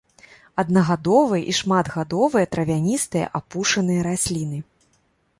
Аднагадовыя і шматгадовыя травяністыя апушаныя расліны.